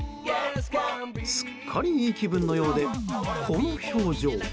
すっかりいい気分のようでこの表情。